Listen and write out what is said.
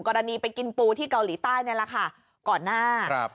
กรณีไปกินปูที่เกาหลีใต้นี่แหละค่ะก่อนหน้าครับ